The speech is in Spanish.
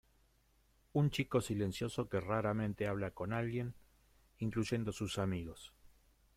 Un chico silencioso que raramente habla con alguien, incluyendo sus amigos.